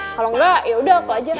kalo gak yaudah aku aja